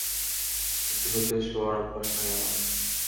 মৃত্যুশয্যায় শুয়ার অভ্যাস নাই আমার।